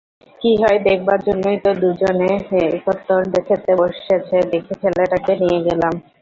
কী হয় দেখবার জন্যেই তো দুজনে একত্তর খেতে বসেছে দেখে ছেলেটাকে নিয়ে গেলাম।